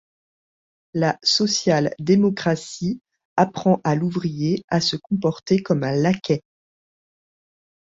La social-démocratie apprend à l’ouvrier à se comporter comme un laquais.